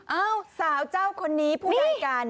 เอ้าสาวเจ้าคนนี้ผู้ใหญ่กัน